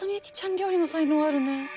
料理の才能あるね。